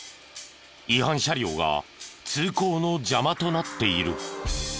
違反車両が通行の邪魔となっている。